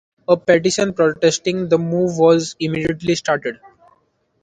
A petition protesting the move was immediately started.